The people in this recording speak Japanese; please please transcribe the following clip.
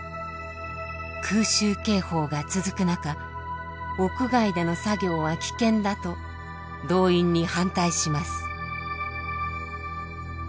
空襲警報が続く中屋外での作業は危険だと動員に反対します。